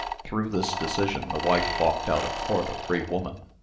Through this decision the wife walked out of the court a free woman.